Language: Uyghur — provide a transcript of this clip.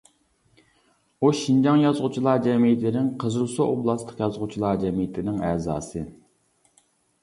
ئۇ شىنجاڭ يازغۇچىلار جەمئىيىتىنىڭ، قىزىلسۇ ئوبلاستلىق يازغۇچىلار جەمئىيىتىنىڭ ئەزاسى.